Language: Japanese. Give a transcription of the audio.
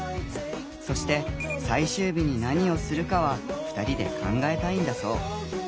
そして最終日に何をするかは２人で考えたいんだそう。